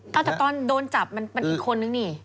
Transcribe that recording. ถ้าจะตอนโดนจับมันเป็นอีกคนนึงนี่